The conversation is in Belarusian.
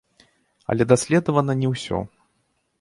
Але даследавана не ўсё.